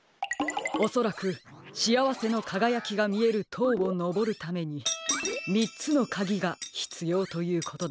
おそらく「しあわせのかがやき」がみえるとうをのぼるために３つのかぎがひつようということでしょう。